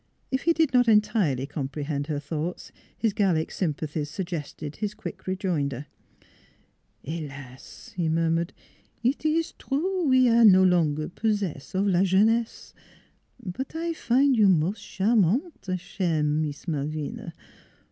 If he did not entirely comprehend her thoughts, his Gallic sympathies suggested his quick rejoinder: " Helas! " he murmured, " eet ees true we aire no longer possess of la jeunesse; but I fin' you mos' charmante, chere Mees Malvina.